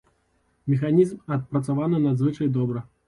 Механізм адпрацаваны надзвычай добра.